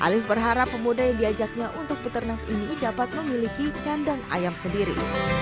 alif berharap pemuda yang diajaknya untuk peternak ini dapat memiliki kandang ayam sendiri